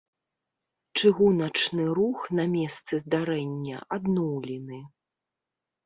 Чыгуначны рух на месцы здарэння адноўлены.